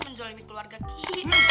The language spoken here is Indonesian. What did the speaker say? menzolemin keluarga kita